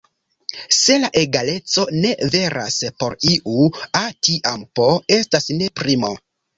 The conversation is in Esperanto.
Se la egaleco ne veras por iu "a", tiam "p" estas ne primo.